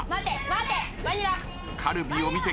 待て。